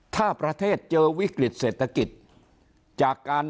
ถ้าประเทศเจอวิกฤติเศรษฐกิจ